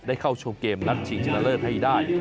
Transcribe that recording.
เข้าชมเกมนัดชิงชนะเลิศให้ได้